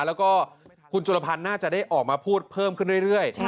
แล้วก็คุณจุลพันธ์น่าจะได้ออกมาพูดเพิ่มขึ้นเรื่อย